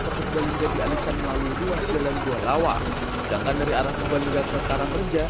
kebalingga dialihkan melalui dua segera jual lawang sedangkan dari arah kebalingga ke karamreja